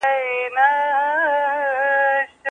زموږ پانګوال ډېر زحمتکښ خلک دي.